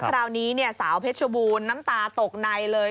คราวนี้เนี่ยสาวเพชรบูรณ์น้ำตาตกในเลย